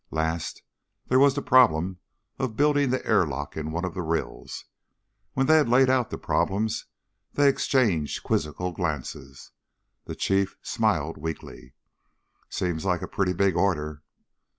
Last, there was the problem of building the airlock in one of the rills. When they had laid out the problems, they exchanged quizzical glances. The Chief smiled weakly. "Seems like a pretty big order."